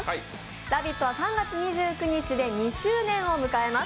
「ラヴィット！」は３月２９日で２周年を迎えます。